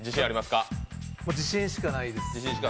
自信しかないです。